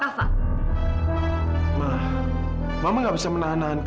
kamu itu tak boleh menjjol teach rural doang seperti itu